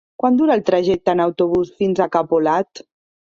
Quant dura el trajecte en autobús fins a Capolat?